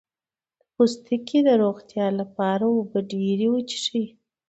د پوستکي د روغتیا لپاره اوبه ډیرې وڅښئ